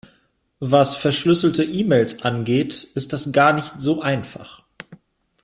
Was verschlüsselte E-Mails angeht, ist das gar nicht so einfach.